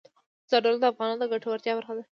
زردالو د افغانانو د ګټورتیا برخه ده.